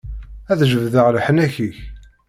Ad jebdeɣ leḥnak-ik.